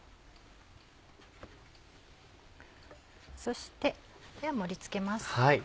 そして盛り付けます。